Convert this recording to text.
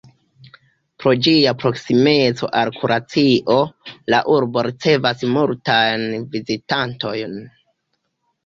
Pro ĝia proksimeco al Karaĉio, la urbo ricevas multajn vizitantojn.